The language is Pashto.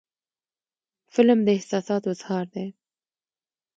فلم د احساساتو اظهار دی